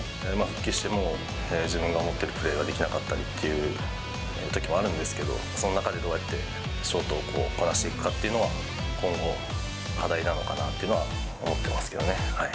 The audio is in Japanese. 復帰しても自分が思ってるプレーができなかったりというときもあるんですけど、その中で、どうやってショートをこう、こなしていくかっていうのは今後の課題なのかなというのは思ってますけどね。